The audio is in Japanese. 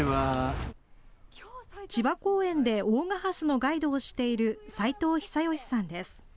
千葉公園で大賀ハスのガイドをしている斉藤久芳さんです。